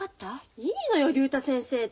いいのよ竜太先生で。